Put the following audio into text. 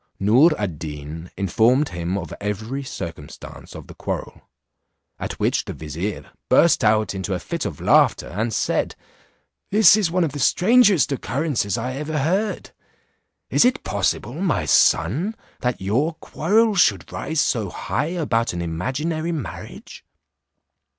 Noor ad Deen informed him of every circumstance of the quarrel; at which the vizier, burst out into a fit of laughter, and said, "This is one of the strangest occurrences I ever heard. Is it possible, my son, that your quarrel should rise so high about an imaginary marriage?